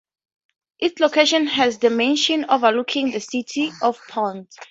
Its location has the mansion overlooking the city of Ponce.